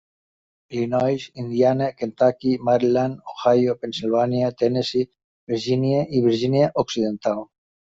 Illinois, Indiana, Kentucky, Maryland, Ohio, Pennsilvània, Tennessee, Virgínia i Virgínia Occidental.